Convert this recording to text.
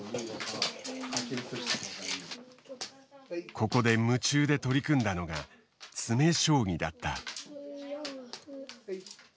ここで夢中で取り組んだのが詰将棋だった。